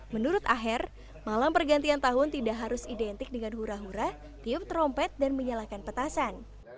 menurut aher malam pergantian tahun tidak harus identik dengan hura hura tiup trompet dan menyalakan petasan